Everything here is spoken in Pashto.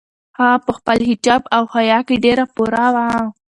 هغه په خپل حجاب او حیا کې ډېره پوره وه.